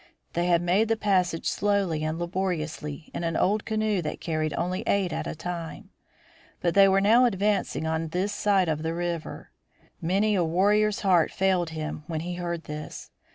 They had made the passage slowly and laboriously in an old canoe that carried only eight at a time. But they were now advancing on this side of the river. Many a warrior's heart failed him when he heard this.